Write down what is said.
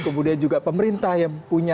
kemudian juga pemerintah yang punya